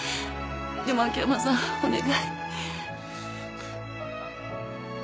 でも秋山さんお願い。